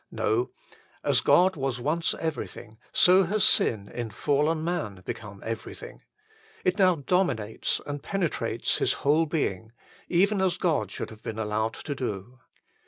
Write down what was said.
No : as God was once everything, so has sin in fallen man become everything. It now dominates and penetrates his whole being, even as God should have been allowed to do.